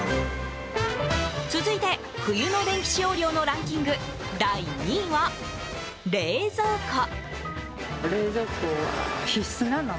続いて、冬の電気使用量のランキング第２位は、冷蔵庫。